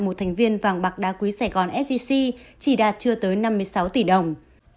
một thành viên vàng bạc đá quý sài gòn sgc chỉ đạt chưa tới năm mươi sáu tỷ đồng